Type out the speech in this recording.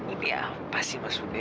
ini apa sih maksudnya